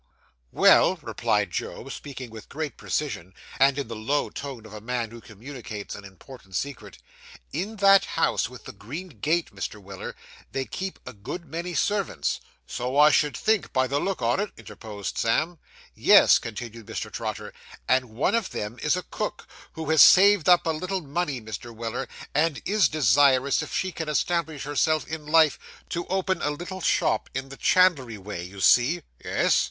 'Well,' replied Job, speaking with great precision, and in the low tone of a man who communicates an important secret; 'in that house with the green gate, Mr. Weller, they keep a good many servants.' 'So I should think, from the look on it,' interposed Sam. 'Yes,' continued Mr. Trotter, 'and one of them is a cook, who has saved up a little money, Mr. Weller, and is desirous, if she can establish herself in life, to open a little shop in the chandlery way, you see.' Yes.